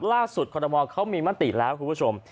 ล่าสุดควรถมเขามีมันติแล้วทุกผู้ผู้ชม